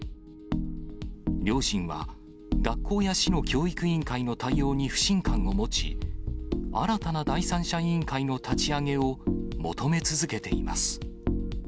両親は、学校や市の教育委員会の対応に不信感を持ち、新たな第三者委員会の立ち上げを求め続けています。